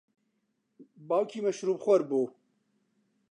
باوکی مەشروبخۆر بوو.